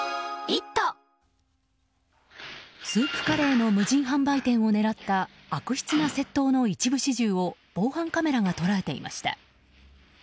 スープカレーの無人販売店を狙った悪質な窃盗の一部始終を防犯カメラが捉えていました。